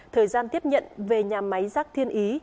thời gian tiếp nhận về nhà máy rác thiên ý